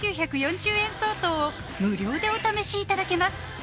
５９４０円相当を無料でお試しいただけます